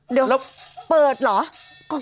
เดี๋ยวเปิดเหรอ